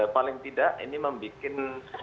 paling tidak ini membuat